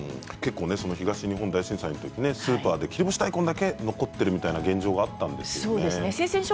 東日本大震災の時にスーパーで切り干し大根だけが残っている現状があったんですね。